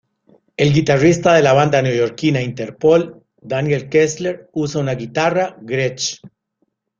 El guitarrista de la banda neoyorquina, Interpol, Daniel Kessler usa una guitarra Gretsch.